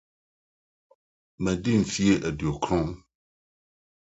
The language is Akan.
Madi mfe dunkron.